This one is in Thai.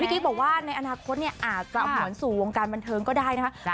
กิ๊กบอกว่าในอนาคตอาจจะหวนสู่วงการบันเทิงก็ได้นะคะ